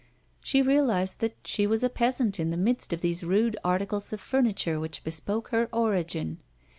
She realized that she was a peasant in the midst of these rude articles of furniture which bespoke her origin.